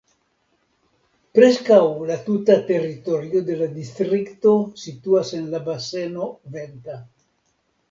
Preskaŭ la tuta teritorio de la distrikto situas en la baseno Venta.